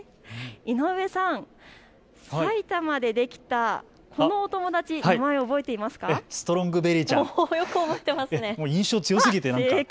井上さん、埼玉でできた、このお友達、名前、覚えていますか。